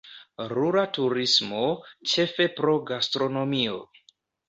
Rura turismo, ĉefe pro gastronomio.